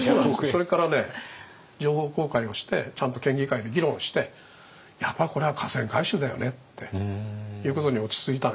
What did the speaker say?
それからね情報公開をしてちゃんと県議会で議論してやっぱりこれは河川改修だよねっていうことに落ち着いた。